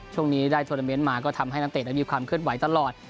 ช่วงนี้ได้โทรนาเมนต์มาก็ทำให้นักเตะนั้นมีความเคลื่อนไหวตลอด